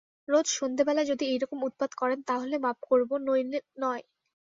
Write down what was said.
রোজ সন্ধেবেলায় যদি এইরকম উৎপাত করেন তা হলে মাপ করব, নইলে নয়।